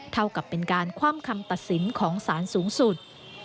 เท่ากับเป็นการคว่ำคำตัดสินของสารสูงสุด